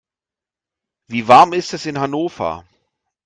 Wie warm ist es in Hannover?